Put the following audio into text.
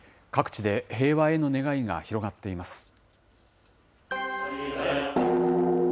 各地で平和への願いが広がっています。